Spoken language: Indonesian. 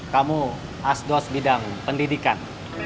kamu asdos bidang pendidikan